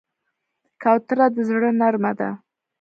کوتره د زړه نرمه ده.